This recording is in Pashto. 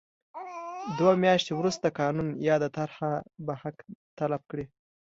دوه میاشتې وروسته قانون یاده طرحه به حق تلف کړي.